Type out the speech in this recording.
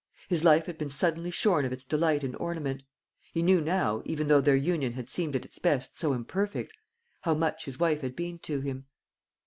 His life had been suddenly shorn of its delight and ornament. He knew now, even though their union had seemed at its best so imperfect, how much his wife had been to him.